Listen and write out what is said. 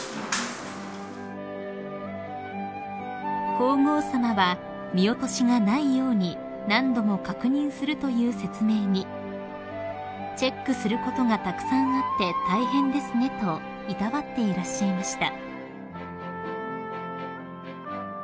［皇后さまは見落としがないように何度も確認するという説明に「チェックすることがたくさんあって大変ですね」といたわっていらっしゃいました］